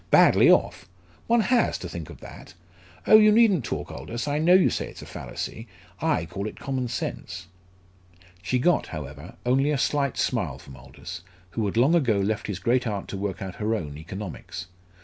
badly off. One has, to think of that. Oh, you needn't talk, Aldous! I know you say it's a fallacy. I call it common sense." She got, however, only a slight smile from Aldous, who had long ago left his great aunt to work out her own economics.